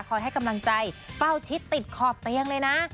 ให้กำลังใจเฝ้าชิดติดขอบเตียงเลยนะ